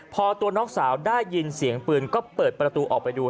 พอตัวน้องสาวได้ยินเสียงปืนก็เปิดประตูออกไปดู